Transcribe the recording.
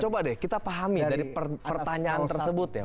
coba deh kita pahami dari pertanyaan tersebut ya